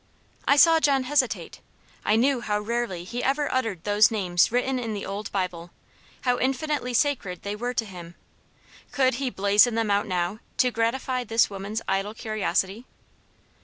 I saw John hesitate; I knew how rarely he ever uttered those names written in the old Bible how infinitely sacred they were to him. Could he blazon them out now, to gratify this woman's idle curiosity?